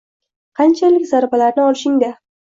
Qanchalik zarbalarni olishingda.